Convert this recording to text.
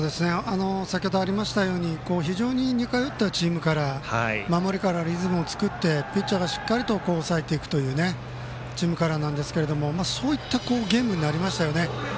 先程ありましたように非常に似通ったチームカラー守りからリズムを作ってピッチャーがしっかり抑えていくチームカラーなんですがそういったゲームになりましたよね。